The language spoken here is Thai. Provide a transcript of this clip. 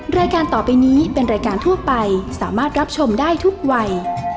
รายการต่อไปนี้เป็นรายการทั่วไปสามารถรับชมได้ทุกวัย